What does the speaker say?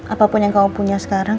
apapun yang kamu punya sekarang